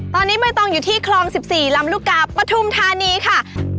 ตอนนี้ใบตองอยู่ที่คลอง๑๔ลำลูกกาปฐุมธานีค่ะ